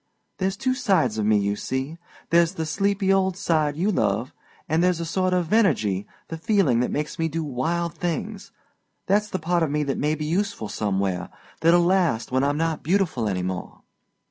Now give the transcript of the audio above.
There's two sides to me, you see. There's the sleepy old side you love an' there's a sort of energy the feeling that makes me do wild things. That's the part of me that may be useful somewhere, that'll last when I'm not beautiful any more."